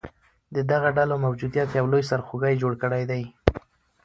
د دغه ډلو موجودیت یو لوی سرخوږې جوړ کړیدی